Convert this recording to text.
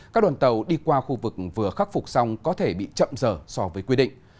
các đoàn tàu đi qua khu vực vừa khắc phục xong có thể bị chậm giờ so với quy định